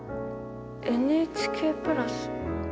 ＮＨＫプラス。